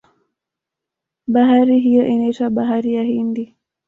bahari hiyo inaitwa bahari ya hindi